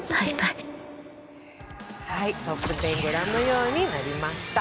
トップ１０ご覧のようになりました。